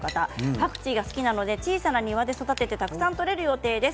パクチーが好きなので小さな庭で育てて、たくさんできる予定です。